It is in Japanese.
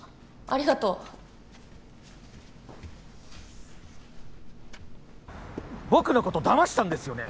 ありがとう僕のことだましたんですよね？